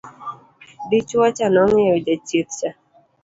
dichuo cha nong'iyo jachieth cha